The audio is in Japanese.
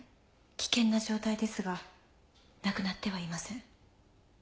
危険な状態ですが亡くなってはいません。